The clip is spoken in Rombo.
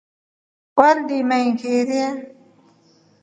Weldima ingairia.